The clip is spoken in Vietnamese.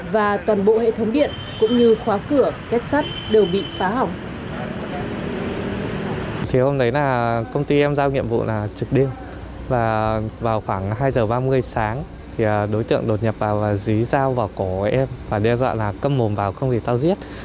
và toàn bộ hệ thống điện cũng như khóa cửa kết sắt đều bị phá hỏng